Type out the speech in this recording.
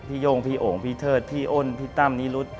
โย่งพี่โอ่งพี่เทิดพี่อ้นพี่ตั้มนิรุธ